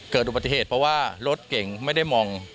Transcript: เกิดอุบัติเหตุเพราะว่ารถเก่งไม่ได้มอง